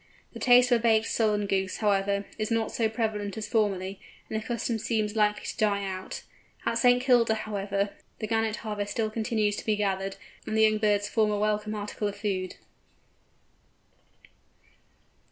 The taste for baked Solan Geese, however, is not so prevalent as formerly, and the custom seems likely to die out. At St. Kilda, however, the Gannet harvest still continues to be gathered, and the young birds form a welcome article of food.